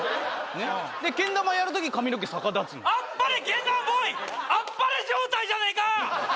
ねっでけん玉やるとき髪の毛逆立つの「あっぱれけん玉ボーイ」あっぱれ状態じゃないか！